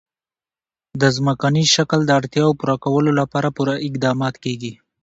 د ځمکني شکل د اړتیاوو پوره کولو لپاره پوره اقدامات کېږي.